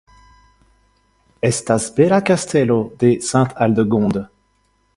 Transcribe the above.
Estas bela kastelo de Sint-Aldegonde.